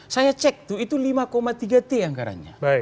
saya cek tuh itu lima tiga t anggarannya